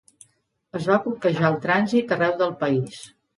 Es va bloquejar el trànsit arreu del país.